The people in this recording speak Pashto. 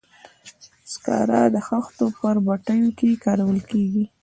سکاره د خښتو په بټیو کې کارول کیږي.